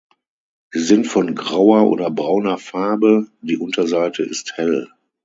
Sie sind von grauer oder brauner Farbe, die Unterseite ist hell.